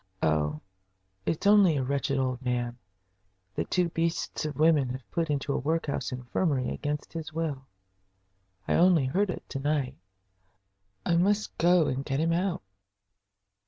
"Oh, it's only a wretched old man that two beasts of women have put into the workhouse infirmary against his will. I only heard it to night. I must go and get him out."